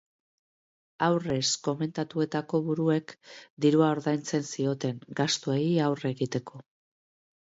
Aurrez, komentuetako buruek dirua ordaintzen zioten, gastuei aurre egiteko.